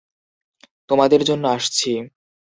তোমাদের জন্য আসছি!